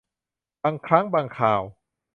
บางครั้งบางคราว